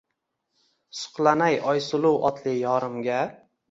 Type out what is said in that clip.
Suqlanay Oysuluv otli yorimga